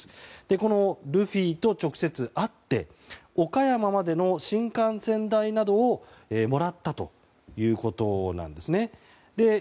このルフィと直接会って岡山までの新幹線代などをもらったということなんですね。